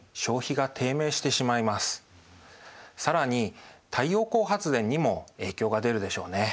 更に太陽光発電にも影響が出るでしょうね。